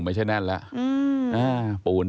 ไปไหนอาจารย์